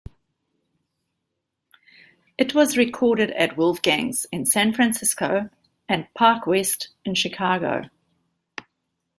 It was recorded at Wolfgang's in San Francisco and Park West in Chicago.